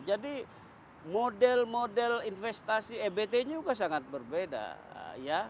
jadi model model investasi ebt nya juga sangat berbeda